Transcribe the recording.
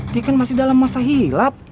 dia kan masih dalam masa hilap